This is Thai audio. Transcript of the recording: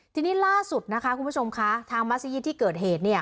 ทีนี้ล่าสุดนะคะคุณผู้ชมคะทางมัศยิตที่เกิดเหตุ